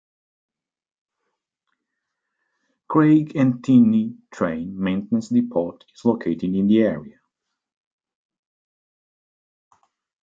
Craigentinny train maintenance depot is located in the area.